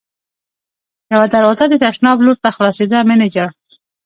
یوه دروازه د تشناب لور ته خلاصېده، مېنېجر.